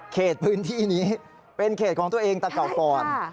เขตพื้นที่นี้เป็นเขตของตัวเองแต่เก่าก่อน